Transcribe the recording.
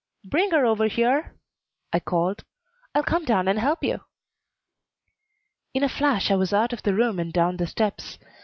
"Bring her over here," I called. "I'll come down and help you." In a flash I was out of the room and down the steps. Mrs.